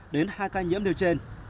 đến hai ca nhiễm điều trên